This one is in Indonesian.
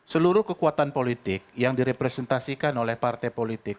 seluruh kekuatan politik yang direpresentasikan oleh partai politik